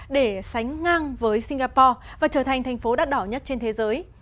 để sánh ngang với singapore và trở thành thành phố đắt đỏ nhất trên thế giới